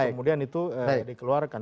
kemudian itu dikeluarkan